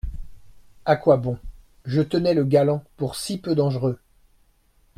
À quoi bon ! je tenais le galant pour si peu dangereux…